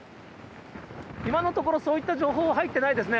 今のところ、そういった情報は入ってないですね。